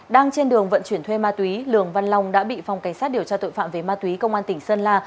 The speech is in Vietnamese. đang trên đường vận chuyển thuê ma túy lường văn long đã bị phòng cảnh sát điều tra tội phạm về ma túy công an tỉnh sơn la